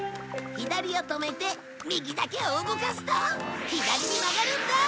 左を止めて右だけを動かすと左に曲がるんだ。